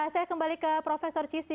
saya kembali ke profesor cissy